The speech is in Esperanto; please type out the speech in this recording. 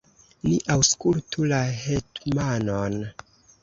ni aŭskultu la hetmanon!